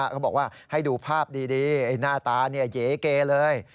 เขาบอกว่าให้ดูภาพดีหน้าตาเหยเกเลย